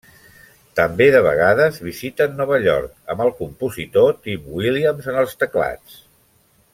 També, de vegades visiten Nova York amb el compositor Tim William en els teclats.